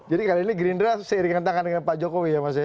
jadi kali ini gerindra seiringan tangan dengan pak jokowi ya mas ya